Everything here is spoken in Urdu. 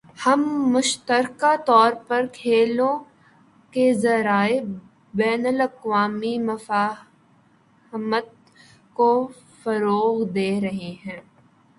ہم مشترکہ طور پر کھیلوں کے ذریعے بین الاقوامی مفاہمت کو فروغ دے رہے ہیں